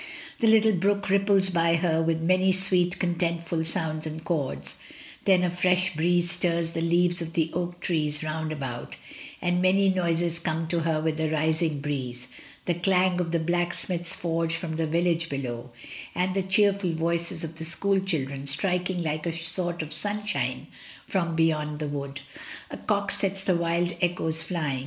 The little brook ripples by her with many sweet contentful sounds and chords, then a fresh breeze stirs the leaves of the oak trees round about, and many noises come to her with the rising breeze — the dang of the blacksmith's forge from the village below, and the cheerftil voices of the school children striking like a sort of sunshine from beyond the wood; a cock sets the wild echoes flying, thei| 2^0 MRS.